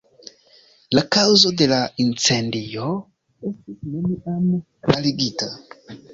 La kaŭzo de la incendio estis neniam klarigita.